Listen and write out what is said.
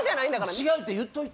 違うって言っといて。